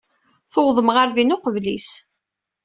Tuwḍem ɣer din uqbel-is.